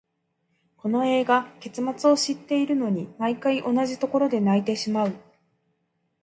この映画、結末を知っているのに、毎回同じところで泣いてしまう。